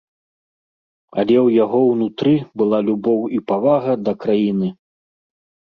Але ў яго ўнутры была любоў і павага да краіны.